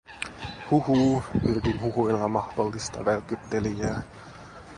"Huhuu?", yritin huhuilla mahdollista välkyttelijää.